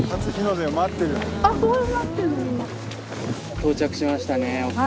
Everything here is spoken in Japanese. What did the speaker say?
到着しましたねお二人。